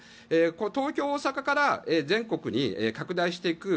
東京、大阪から全国に拡大していく